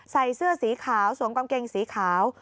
ใส่เสื้อสีขาวสวงกำเกงสีขาว